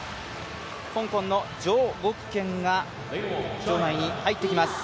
香港の、常ゴクケンが場内に入ってきます。